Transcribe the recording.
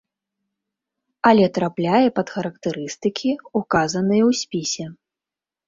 Але трапляе пад характарыстыкі, указаныя ў спісе.